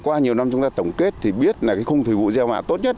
qua nhiều năm chúng ta tổng kết thì biết là cái khung thời vụ gieo mạ tốt nhất